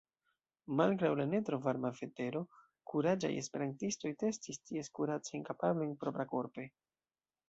Malgraŭ la ne tro varma vetero, kuraĝaj esperantistoj testis ties kuracajn kapablojn proprakorpe.